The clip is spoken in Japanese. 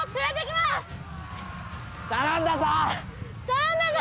頼んだぞ！